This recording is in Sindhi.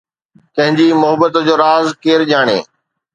ڪنهن جي محبت جو راز ڪير ڄاڻي